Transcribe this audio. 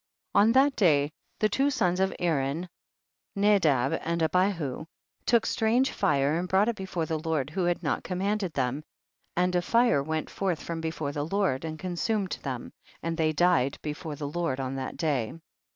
6. On that day the two sons of Aaron, Nadab and Abihu, took strange fire and brought it before the Lord who had not commanded them, and a fire went forth from before the Lord, and consumed them, and they died before the Lord on that day.